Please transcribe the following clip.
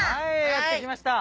やって来ました！